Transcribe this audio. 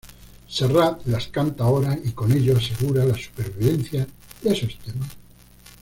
Serrat las canta ahora y con ello, asegura la supervivencia de esos temas.